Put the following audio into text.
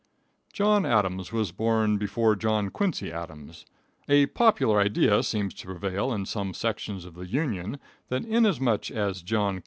John Adams was born before John Quincy Adams. A popular idea seems to prevail in some sections of the Union that inasmuch as John Q.